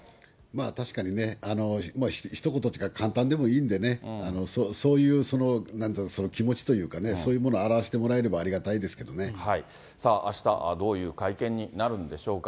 確かにね、ひと言っていうか、簡単でもいいんでね、そういう、なんていうの、気持ちというかね、そういうものを表してもらえればあした、どういう会見になるんでしょうか。